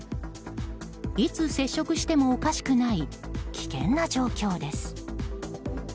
いつ接触してもおかしくない危険な状況です。